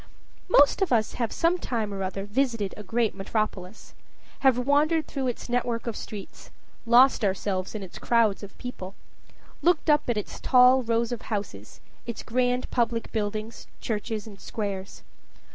Most of us have some time or other visited a great metropolis have wandered through its network of streets lost ourselves in its crowds of people looked up at its tall rows of houses, its grand public buildings, churches, and squares.